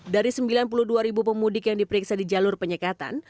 dari sembilan puluh dua ribu pemudik yang diperiksa di jalur penyekatan